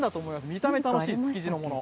見た目楽しい築地のもの。